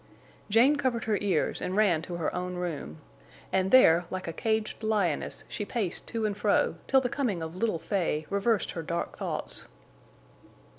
Jane covered her ears and ran to her own room, and there like caged lioness she paced to and fro till the coming of little Fay reversed her dark thoughts.